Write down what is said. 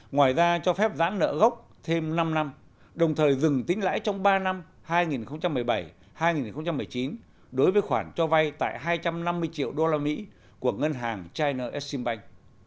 ngoài ra cho phép giãn nợ gốc thêm năm năm đồng thời dừng tính lãi trong ba năm hai nghìn một mươi bảy hai nghìn một mươi chín đối với khoản cho vay tại hai trăm năm mươi triệu usd của ngân hàng china exim bank